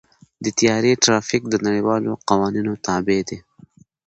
د طیارې ټرافیک د نړیوالو قوانینو تابع دی.